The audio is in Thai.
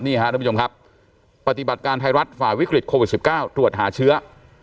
ท่านผู้ชมครับปฏิบัติการไทยรัฐฝ่าวิกฤตโควิด๑๙ตรวจหาเชื้อ